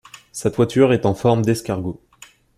Sa toiture est en forme d'escargot.